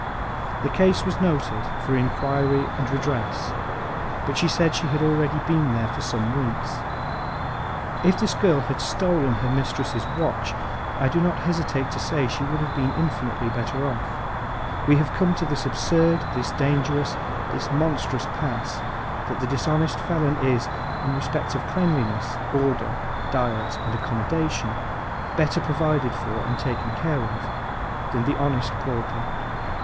The case was noted for inquiry and redress, but she said she had already been there for some weeks. If this girl had stolen her mistress's watch, I do not hesitate to say she would have been infinitely better off. We have come to this absurd, this dangerous, this monstrous pass, that the dishonest felon is, in respect of cleanliness, order, diet, and accommodation, better provided for, and taken care of, than the honest pauper.